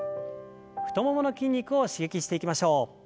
太ももの筋肉を刺激していきましょう。